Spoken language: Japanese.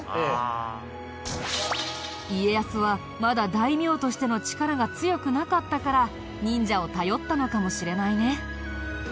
家康はまだ大名としての力が強くなかったから忍者を頼ったのかもしれないね。